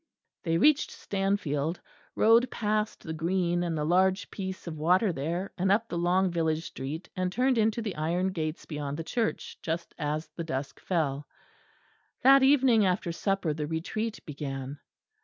They reached Stanfield, rode past the green and the large piece of water there, and up the long village street, and turned into the iron gates beyond the church, just as the dusk fell. That evening after supper the Retreat began.